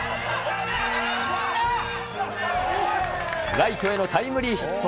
ライトへのタイムリーヒット。